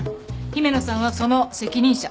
姫野さんはその責任者。